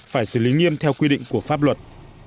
phải xử lý nghiêm theo quy định của pháp luật